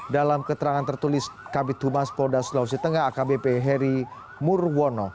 dalam keterangan tertulis kabit humas polda sulawesi tengah akbp heri murwono